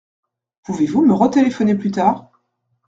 Pouvez-vous me retéléphoner plus tard ?